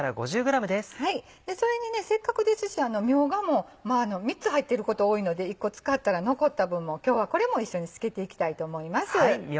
それにせっかくですしみょうがも３つ入ってることが多いので１個使ったら残った分も今日はこれも一緒に漬けていきたいと思います。